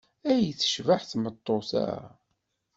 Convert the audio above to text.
Ay tecbeḥ tmeṭṭut-a!